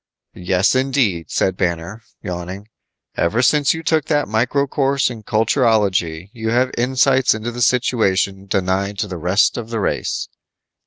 "Yes, indeed," said Banner, yawning, "ever since you took that micro course in culturology you have insights into the situation denied to the rest of the race."